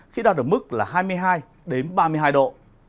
khi đạt ở mức là hai mươi hai ba mươi hai độ